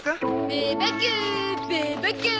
ベーバキューベーバキュー！